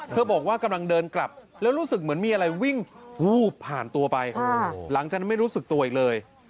บอกว่ากำลังเดินกลับแล้วรู้สึกเหมือนมีอะไรวิ่งวูบผ่านตัวไปหลังจากนั้นไม่รู้สึกตัวอีกเลย